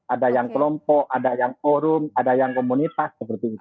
ada yang kelompok ada yang orum ada yang komunitas seperti itu